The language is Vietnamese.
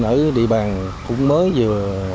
ở địa bàn cũng mới vừa